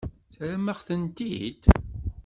Terram-aɣ-tent-id?